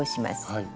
はい。